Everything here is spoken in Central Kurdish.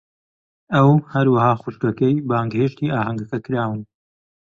ئەو، هەروەها خوشکەکەی، بانگهێشتی ئاهەنگەکە کراون.